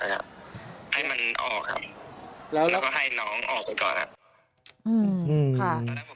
ครับให้มันออกครับแล้วก็ให้น้องออกไปก่อนครับ